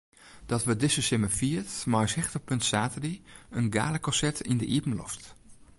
Dat wurdt dizze simmer fierd mei as hichtepunt saterdei in galakonsert yn de iepenloft.